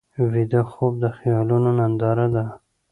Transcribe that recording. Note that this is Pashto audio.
ویده خوب د خیالونو ننداره ده